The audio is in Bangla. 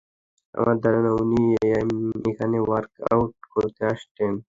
আমার ধারণা উনি এখানে ওয়ার্কআউট করতে আসতেন।